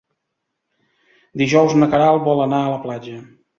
Dijous na Queralt vol anar a la platja.